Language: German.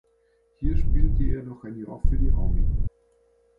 Hier spielte er noch ein Jahr für die Army.